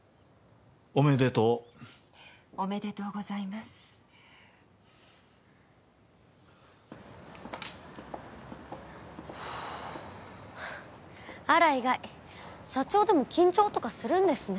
おめでとうおめでとうございますふっあら意外社長でも緊張とかするんですね